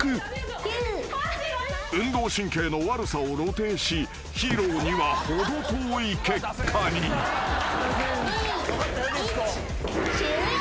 ［運動神経の悪さを露呈しヒーローには程遠い結果に］終了。